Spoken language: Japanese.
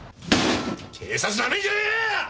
警察ナメんじゃねえよ！！